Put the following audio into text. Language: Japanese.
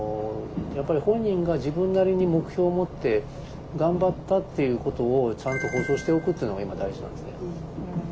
やっぱり本人が自分なりに目標を持って頑張ったっていうことをちゃんと保証しておくっていうのが今大事なんですね。